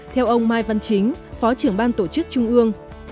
theo ông mai văn chính phó trưởng ban tổ chức trung ương